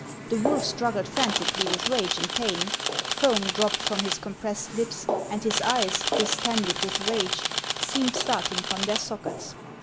The wolf struggled frantically with rage and pain ; foam 278 HANS OF ICELAND. dropped from his compressed lips, and his eyes, distended with rage, seemed starting from their sockets.